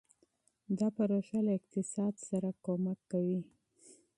دا پروژه له اقتصاد سره مرسته کوي.